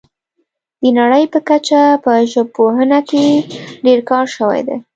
د نړۍ په کچه په ژبپوهنه کې ډیر کار شوی دی